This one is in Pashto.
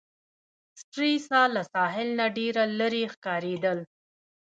سټریسا له ساحل نه ډېره لیري ښکاریدل.